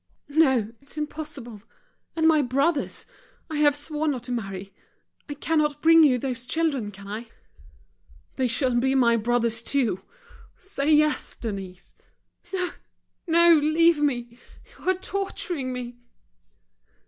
"No, it's impossible. And my brothers? I have sworn not to marry. I cannot bring you those children, can I?" "They shall be my brothers, too. Say yes, Denise." "No, no, leave me. You are torturing me!"